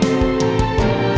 tak dapat merayu